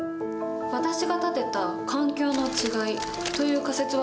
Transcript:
私が立てた「環境の違い」という仮説はどうかしら。